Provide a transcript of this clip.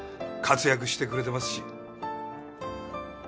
活躍してくれてますし。